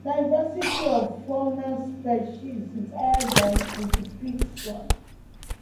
Diversity of faunal species is higher than in the peat swamp.